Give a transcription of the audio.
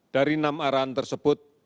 dari enam arahan tersebut